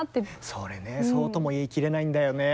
それねそうとも言い切れないんだよね。